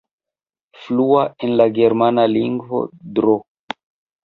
Flua en la germana lingvo, Dro.